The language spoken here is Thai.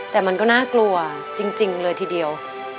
แต่มันก็น่ากลัวจริงเลยทีเดียว